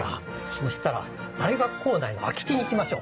そうしたら大学構内の空き地に行きましょう。